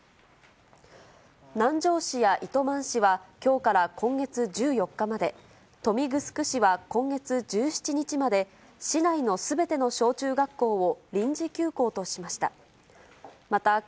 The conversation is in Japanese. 南城市や糸満市はきょうから今月１４日まで、豊見城市は今月１７日まで、市内のすべての小中学校を臨時休校としました。